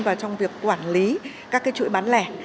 và trong việc quản lý các cái chuỗi bán lẻ